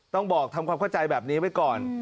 ต้องบอกทำความเข้าใจแบบนี้ไว้ก่อน